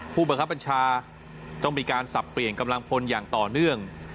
ผู้บังคับบัญชาต้องมีการสับเปลี่ยนกำลังพลอย่างต่อเนื่อง